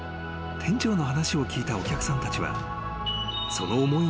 ［店長の話を聞いたお客さんたちは］